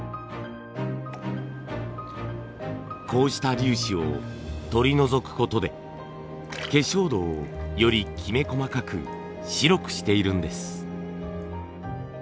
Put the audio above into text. こうした粒子を取り除くことで化粧土をよりきめ細かく白くしているんです。